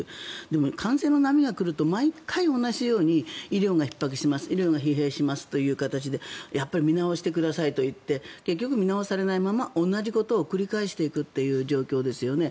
でも、感染の波が来ると毎回同じように医療がひっ迫します医療が疲弊しますという形でやっぱり見直してくださいと言って結局見直されないまま同じことを繰り返していくという状況ですよね。